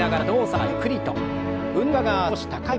はい。